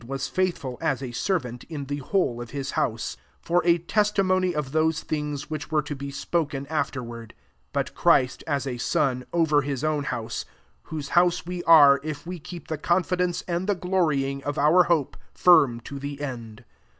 See S faithful as a servant, in the whole of his house ; for a testi mony of those thinga which were to be spoken afterward: 6 but Christ, as a. Sod, over his own house ; whose house we are, if we keep the confi dence and the gloryingp of our hope firm to the end.